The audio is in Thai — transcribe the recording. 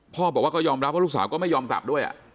พ่อบอกว่าก็ยอมรับว่าลูกสาวก็ไม่ยอมกลับด้วย